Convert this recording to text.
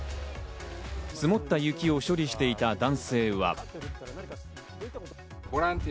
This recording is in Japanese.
積もった雪を処理していた男性は。